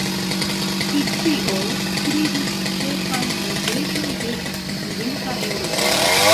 Pri tio skribis ĉefaj gazetoj de okcidenta Eŭropo.